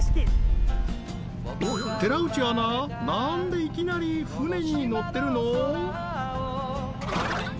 寺内アナ、なんでいきなり船に乗ってるの？